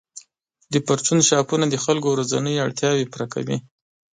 د پرچون شاپونه د خلکو ورځنۍ اړتیاوې پوره کوي.